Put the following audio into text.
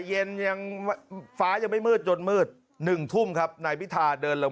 เย็นยังฟ้ายังไม่มืดจนมืด๑ทุ่มครับนายพิธาเดินลง